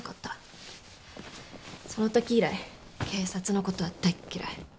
そのとき以来警察のことは大っ嫌い。